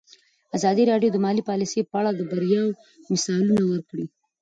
ازادي راډیو د مالي پالیسي په اړه د بریاوو مثالونه ورکړي.